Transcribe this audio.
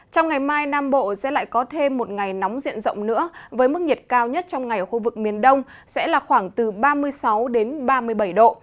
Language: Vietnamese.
trong ngày mai nam bộ sẽ lại có thêm một ngày nóng diện rộng nữa với mức nhiệt cao nhất trong ngày ở khu vực miền đông sẽ là khoảng từ ba mươi sáu đến ba mươi bảy độ